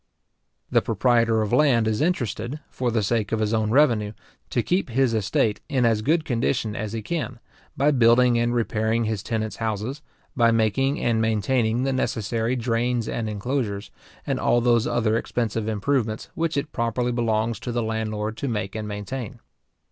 The proprietor of land is interested, for the sake of his own revenue, to keep his estate in as good condition as he can, by building and repairing his tenants houses, by making and maintaining the necessary drains and inclosures, and all those other expensive improvements which it properly belongs to the landlord to make and maintain.